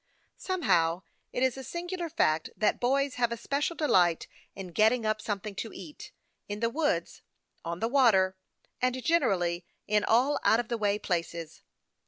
Somehow, it is a singular fact that boys have a special delight in " getting up something to eat " in the woods, on the water, and generally in all out of the way places.